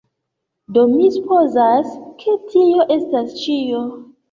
Do, mi supozas, ke tio estas ĉio